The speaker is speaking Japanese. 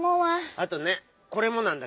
あとねこれもなんだけどね。